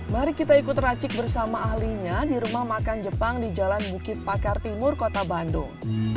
mari kita ikut racik bersama ahlinya di rumah makan jepang di jalan bukit pakar timur kota bandung